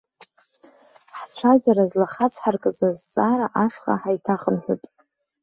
Ҳцәажәара злахацҳаркыз азҵаара ашҟа ҳаиҭахынҳәып.